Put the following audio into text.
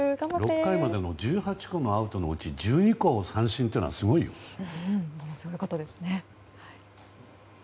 ６回までの１８個のアウトのうち１２個が三振ってすごいね。